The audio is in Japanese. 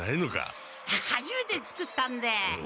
はじめて作ったんで。